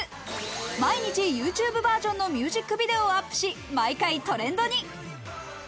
毎日ＹｏｕＴｕｂｅバージョンのミュージックビデオをアップし、毎回トレンドに。